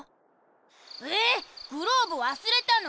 えグローブわすれたの？